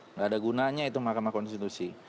nggak ada gunanya itu mahkamah konstitusi